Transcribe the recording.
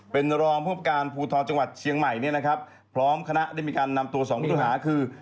เป็นรองผู้ประการภูทอจังหวัดเชียงใหม่พร้อมคณะได้มีการนำตัว๒มิถุหาคือ